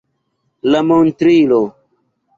La montrilo.